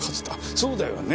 そうだよね？